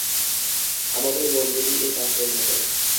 আমাদের মনগুলি এই পাত্রের মত।